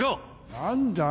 何だ？